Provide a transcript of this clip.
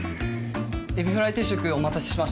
エビフライ定食お待たせしました。